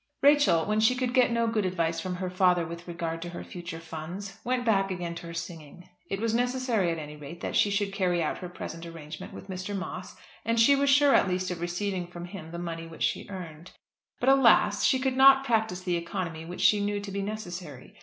Rachel, when she could get no good advice from her father with regard to her future funds, went back again to her singing. It was necessary, at any rate, that she should carry out her present arrangement with Mr. Moss, and she was sure at least of receiving from him the money which she earned. But, alas! she could not practise the economy which she knew to be necessary.